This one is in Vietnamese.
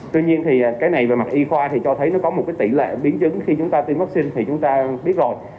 tuy nhiên thì cái này về mặt y khoa thì cho thấy nó có một cái tỷ lệ biến chứng khi chúng ta tiêm vaccine thì chúng ta biết rồi